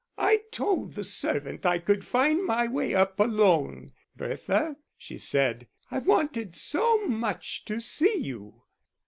"I told the servant I could find my way up alone, Bertha," she said. "I wanted so much to see you."